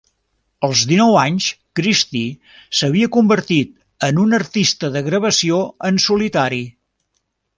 Als dinou anys, Christy s'havia convertit en un artista de gravació en solitari.